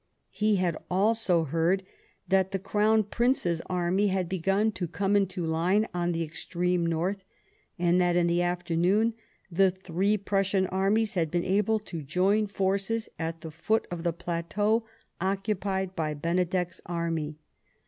He had heard also that the Crown Prince's army had begun to come into line on the extreme north, and that, in the afternoon, the three Prussian armies had been able to join forces at the foot of the plateau occupied by Benedek's army.